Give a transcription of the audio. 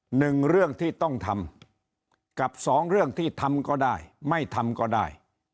หนึ่งเรื่องที่ต้องทำกับสองเรื่องที่ทำก็ได้ไม่ทำก็ได้